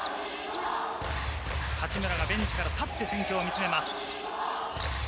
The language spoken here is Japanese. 八村がベンチから立って戦況を見つめます。